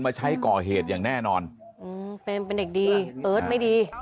มาใช้ก่อเหตุอย่างแน่นอนอืมเป็นเป็นเด็กดีเอิร์ทไม่ดี